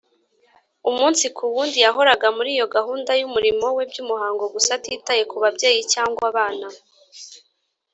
. Umunsi ku wundi yahoraga muri iyo gahunda y’umurimo we by’umuhango gusa, atitaye ku babyeyi cyangwa abana